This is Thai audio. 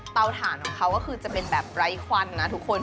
ฐานของเขาก็คือจะเป็นแบบไร้ควันนะทุกคน